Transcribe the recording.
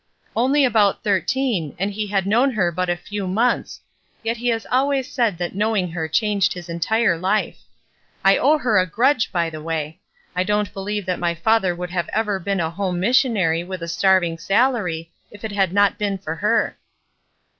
"Only about thirteen, and he had known her but a few months; yet he has always said that knowing her changed his entire life. I owe her a grudge, by the way. I don't believe that my father would ever have been a home missionary with a starving salary if it had not been for her."